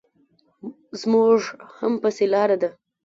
زموږ هم پسې لار ده.